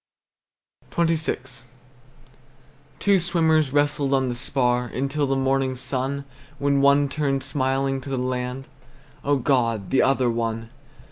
XXVI. Two swimmers wrestled on the spar Until the morning sun, When one turned smiling to the land. O God, the other one!